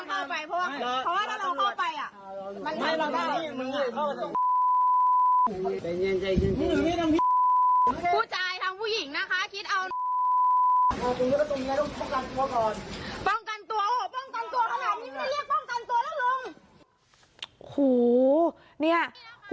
อายุหกสิบกว่านะคะดูทำแม่กูนะคะ